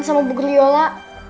sama bu geriola